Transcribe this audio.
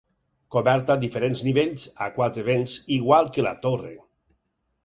Coberta a diferents nivells, a quatre vents, igual que la torre.